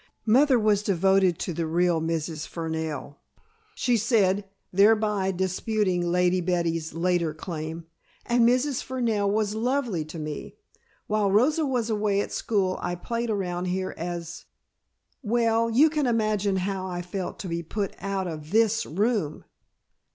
"Mother was devoted to the real Mrs. Fernell," she said, thereby disputing Lady Betty's later claim, "and Mrs. Fernell was lovely to me. While Rosa was away at school I played around here as well you can imagine how I felt to be put out of this room!"